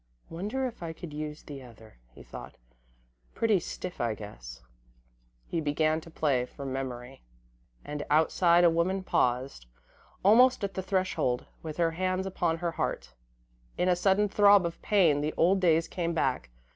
"Wonder if I could use the other," he thought. "Pretty stiff, I guess." He began to play, from memory: [Illustration: musical notation] and outside a woman paused, almost at the threshold, with her hands upon her heart. In a sudden throb of pain, the old days came back.